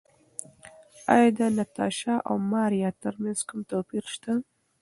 ایا د ناتاشا او ماریا ترمنځ کوم توپیر شته؟